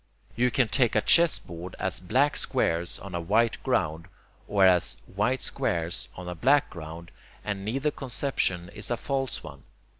You can take a chessboard as black squares on a white ground, or as white squares on a black ground, and neither conception is a false one.